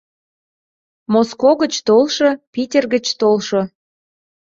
Моско гыч толшо, Питер гыч толшо